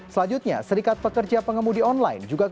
selanjutnya serikat pekerja pengemudi online juga